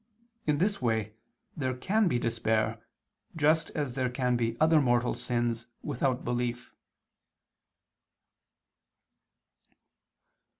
In this way there can be despair, just as there can be other mortal sins, without belief.